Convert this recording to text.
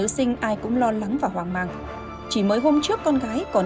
xin chào và hẹn gặp lại